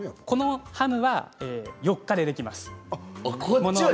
このハムは４日でできます。